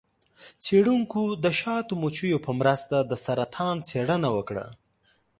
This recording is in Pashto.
څیړونکو د شاتو مچیو په مرسته د سرطان څیړنه وکړه.